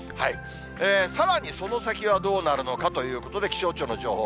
さらにその先はどうなるのかということで、気象庁の情報。